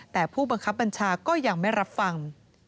แต่ผู้บังคับบัญชาก็ยังไม่รับฟัง